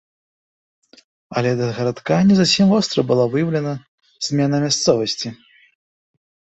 Але да гарадка не зусім востра была выяўлена змена мясцовасці.